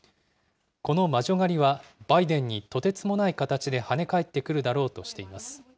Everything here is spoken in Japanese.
この魔女狩りはバイデンにとてつもない形で跳ね返ってくるだろうとしています。